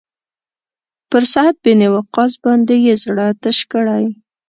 پر سعد بن وقاص باندې یې زړه تش کړی.